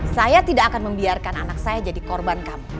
saya tidak akan membiarkan anak saya jadi korban kamu